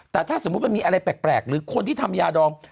แต่ถ้าสมมุติมันมีอะไรแปลกหรือคนที่ทำยาดอง